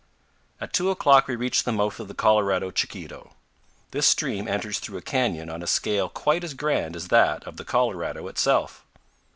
At two o'clock we reach the mouth of the Colorado Chiquito. This stream enters through a canyon on a scale quite as grand as that of the Colorado itself.